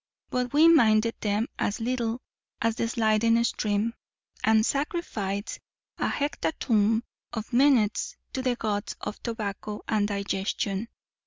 but we minded them as little as the sliding stream, and sacrificed a hecatomb of minutes to the gods of tobacco and digestion.